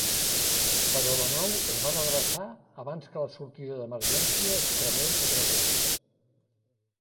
Però la nau es va redreçar abans que la sortida d'emergència es cremés a través.